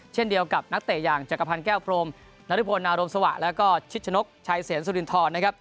เช่นเดียวกับนักเตะอย่างจักรพันธ์แก้วพรมนริพลนารมสวะแล้วก็ชิดชนกชัยเสียนสุรินทรนะครับ